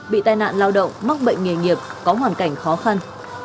bị tai nạn lao động mắc bệnh nghề nghiệp có hoàn cảnh khó khăn